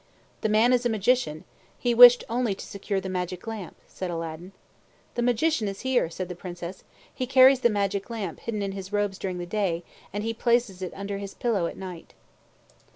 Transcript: "The man is a Magician. He wished only to secure the magic lamp," said Aladdin. "The Magician is here," said the Princess. "He carries the magic lamp hidden in his robes during the day, and he places it under his pillow at night."